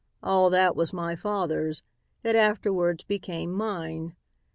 All that was my father's. It afterwards became mine.